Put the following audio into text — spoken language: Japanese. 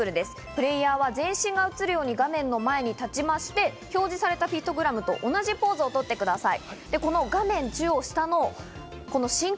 プレーヤーは全身が映るように画面の前に立ちまして、表示されたピクトグラムと同じポーズをとってください。